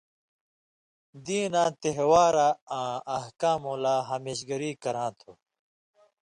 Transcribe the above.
دیناں تہوارہ آں احکامؤں لا ہمیشگری کراں تھو۔